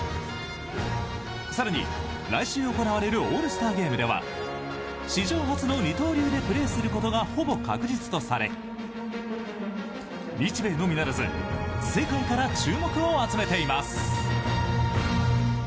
更に、来週行われるオールスターゲームでは史上初の二刀流でプレーすることがほぼ確実とされ日米のみならず世界から注目を集めています。